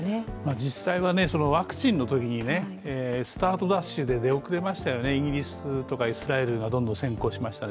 実際はワクチンのときに、スタートダッシュで出遅れましたよね、イギリスとかイスラエルがどんどん先行しました。